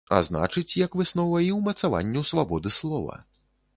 А значыць, як выснова, і ўмацаванню свабоды слова.